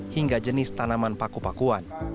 hingga jenis tanaman paku pakuan